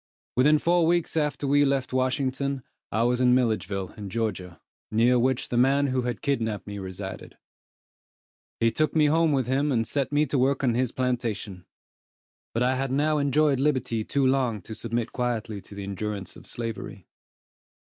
Within four weeks after we left Washington, I was in Milledgeville in Georgia, near which the man who had kidnapped me resided. He took me home with him, and set me to work on his plantation; but I had now enjoyed liberty too long to submit quietly to the endurance of slavery.